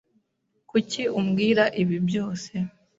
Kuki umbwira ibi byose?